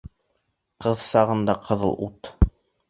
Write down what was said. Ҡыҙ сағында ҡыҙыл ут